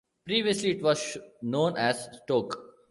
Previously it was known as 'Stoke'.